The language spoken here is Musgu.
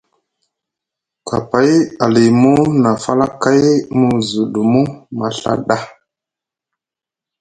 Kapay alimu na falakay mu zuɗumu maɵa ɗa?